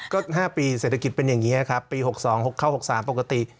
ก็๕ปีเศรษฐกิจเป็นอย่างนี้ครับปี๖๒๖เข้า๖๓ปกติ